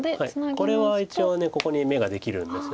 これは一応ここに眼ができるんです。